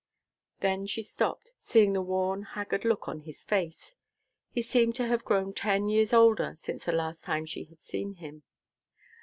Then she stopped, seeing the worn, haggard look on his face. He seemed to have grown ten years older since the last time she had seen him.